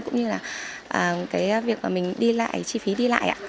cũng như là cái việc mà mình đi lại chi phí đi lại ạ